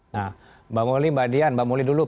nah mbak muly mbak dian mbak muly dulu